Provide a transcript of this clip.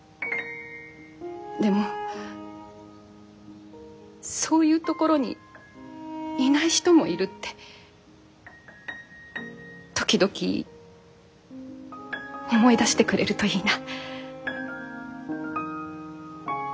でもそういうところにいない人もいるって時々思い出してくれるといいな。